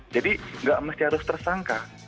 jadi tidak harus tersangka